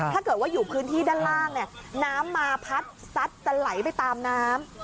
ถ้าเกิดว่าอยู่พื้นที่ด้านล่างเนี่ยน้ำมาพัดซัดจะไหลไปตามน้ำ